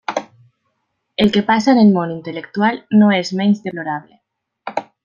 El que passa en el món intel·lectual no és menys deplorable.